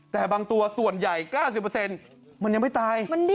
แต่บางตัวส่วนใหญ่๙๐มันยังไม่ตาย